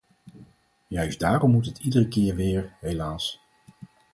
Juist daarom moet het iedere keer weer, helaas.